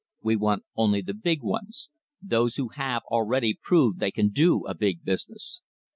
"We want only the big ones, those who have already proved they can do a big business.